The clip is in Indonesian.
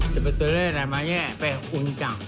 sebetulnya namanya peh uncang